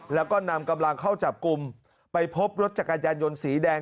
แล้วก็นำกำลังเข้าจับกลุ่มไปพบรถจักรยานยนต์สีแดง